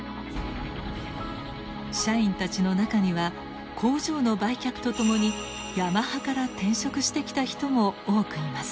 社員たちの中には工場の売却とともにヤマハから転職してきた人も多くいます。